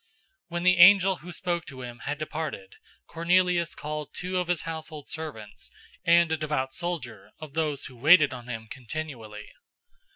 "}" 010:007 When the angel who spoke to him had departed, Cornelius called two of his household servants and a devout soldier of those who waited on him continually.